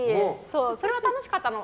それは楽しかったの。